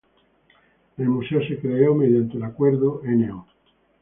El Museo se creó mediante el acuerdo No.